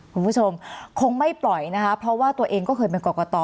คุณผู้ชมคงไม่ปล่อยนะคะเพราะว่าตัวเองก็เคยเป็นกรกต